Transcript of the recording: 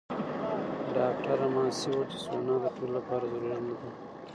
ډاکټره ماسي وویل چې سونا د ټولو لپاره ضروري نه ده.